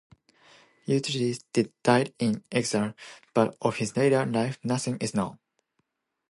Eutyches died in exile, but of his later life nothing is known.